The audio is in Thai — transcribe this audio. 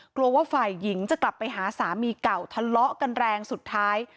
กลัวว่าฝ่ายหญิงจะกลับไปหาสามีเก่าทะเลาะกันแรงสุดท้าย